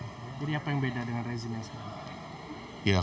jadi apa yang beda dengan rezine sekarang